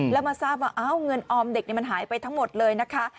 แล้วมาทราบว่าเงินออมเด็กมันหายไปทั้งหมดเลยนะคะ